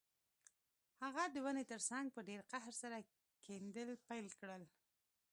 هغه د ونې ترڅنګ په ډیر قهر سره کیندل پیل کړل